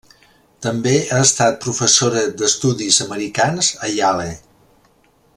També ha estat professora d'estudis americans a Yale.